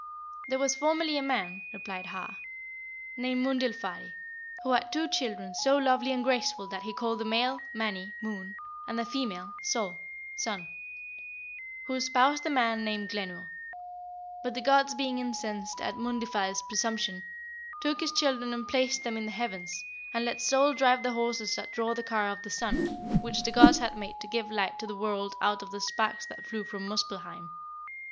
"There was formerly a man," replied Har, "named Mundilfari, who had two children so lovely and graceful that he called the male, Mani (moon), and the female, Sol (sun), who espoused the man named Glenur. But the gods being incensed at Mundilfari's presumption, took his children and placed them in the heavens, and let Sol drive the horses that draw the car of the sun, which the gods had made to give light to the world out of the sparks that flew from Muspellheim.